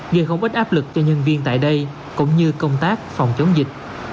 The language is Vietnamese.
gây không ít áp lực cho nhân viên tại đây cũng như công tác phòng chống dịch